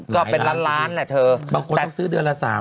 ก็เป็นละล้านหูหลายละล้านมีบางคนต้องซื้อเดือนละ๓ล้าน